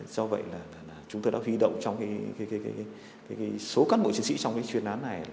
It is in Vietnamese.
do vậy là chúng tôi đã vi động trong số cán bộ chiến sĩ trong chuyên án này